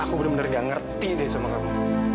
aku bener bener gak ngerti deh sama kamu